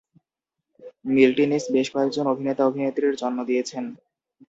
মিল্টিনিস বেশ কয়েকজন অভিনেতা-অভিনেত্রীর জন্ম দিয়েছেন।